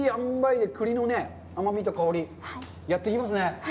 栗の甘みと香り、やってきますね。